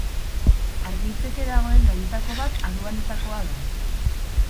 Argitzeke dagoen gaietako bat aduanetakoa da.